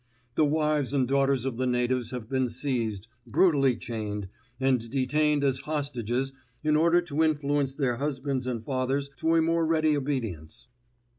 The wives and daughters of the natives have been seized, brutally chained, and detained as hostages in order to influence their husbands and fathers to a more ready obedience.